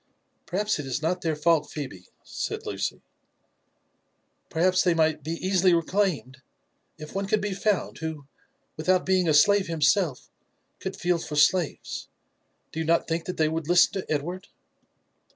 *" Perhaps it is not their fault, Phebe," said Lucy, " perhaps they 08 LIFE AND ADVENTURES Ot* might be easily reclaimed, if one could be found, who, without being a slave himself, could feel for slaves. Do you not think that they would listen to Edward?"